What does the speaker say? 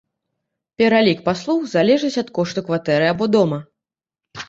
Пералік паслуг залежыць ад кошту кватэры або дома.